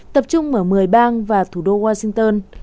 tập trung mở một mươi bang và thủ đô washington